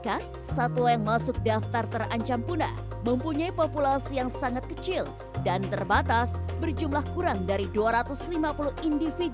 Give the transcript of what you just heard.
kalau babi kutil yang lepas itu tidak ada kemungkinan lagi